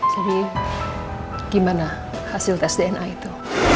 jadi gimana hasil tes dna itu